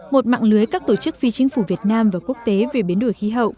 một mạng lưới các tổ chức phi chính phủ việt nam và quốc tế về biến đổi khí hậu